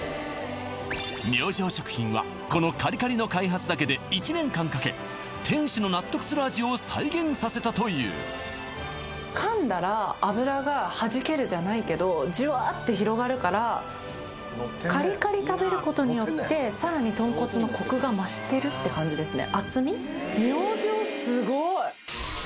明星食品はこのカリカリの開発だけで１年間かけ店主の納得する味を再現させたという噛んだら脂がはじけるじゃないけどジュワーって広がるからカリカリ食べることによってさらに豚骨のコクが増してるって感じですね